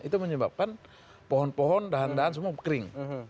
itu menyebabkan pohon pohon dahan dahan semua kering